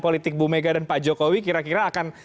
politik bu mega dan pak jokowi kira kira akan